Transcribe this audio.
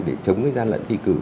để chống cái gian lận thi cực